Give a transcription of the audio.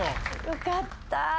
よかった。